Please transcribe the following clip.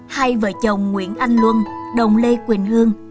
hai vợ chồng nguyễn anh luân đồng lê quỳnh hương